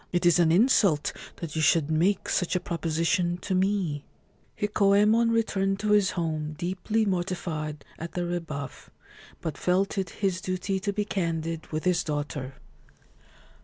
It is an insult that you should make such a proposition to me !' Hikoyemon returned to his home deeply mortified at Great Fire caused by a Lady's Dress the rebuff; but felt it his duty to be candid with his daughter.